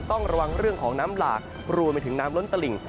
ต้องระวังเรื่องของน้ำหลากรวมไปถึงน้ำล้นตลิ่ง